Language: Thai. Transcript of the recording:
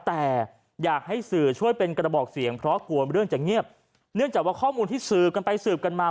แต่อยากให้สื่อช่วยเป็นกระบอกเสียงเพราะกลัวเรื่องจะเงียบเนื่องจากว่าข้อมูลที่สืบกันไปสืบกันมา